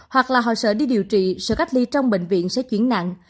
hoặc là họ sợ đi điều trị sở cách ly trong bệnh viện sẽ chuyển nặng